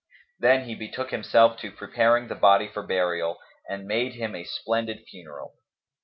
Then he betook himself to preparing the body for burial and made him a splendid funeral.